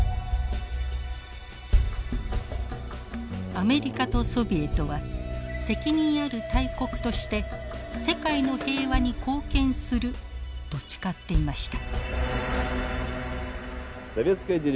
アメリカとソビエトは責任ある大国として世界の平和に貢献すると誓っていました。